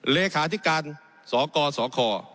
เลขาที่การสกสค